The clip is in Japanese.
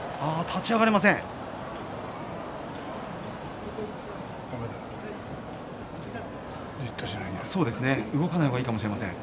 立ち上がれません。